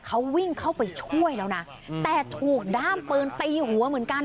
เขาวิ่งเข้าไปช่วยแล้วนะแต่ถูกด้ามปืนตีหัวเหมือนกัน